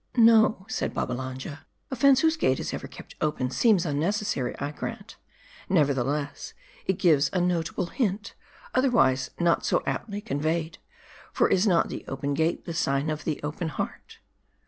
" No," said Babbalanja, " a fence whose gate is ever kept open, seems unnecessary, I grant ; nevertheless, it gives a notable hint, otherwise not so aptly conveyed ; for is not the open gate the sign of the open heart